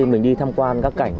mình đi thăm quan các cảnh